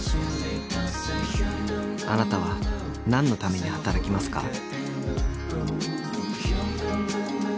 あなたは何のために働きますか？